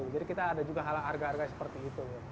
jadi kita ada juga harga harga seperti itu